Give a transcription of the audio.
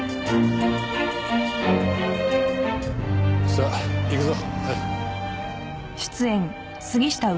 さあ行くぞ。